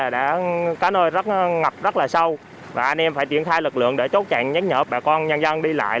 đã có nơi rất ngập rất là sâu và anh em phải triển khai lực lượng để chốt chặn nhắc nhở bà con nhân dân đi lại